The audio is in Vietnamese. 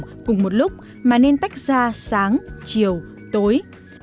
cùng một lúc mà nên tách ra sáng chiều tối